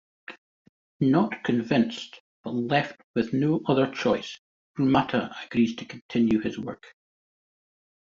Not convinced, but left with no other choice, Rumata agrees to continue his work.